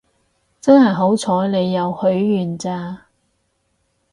真係好彩你有許願咋